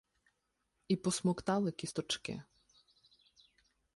І посмоктали кісточки.